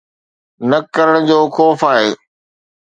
نه ڪرڻ جو خوف آهي.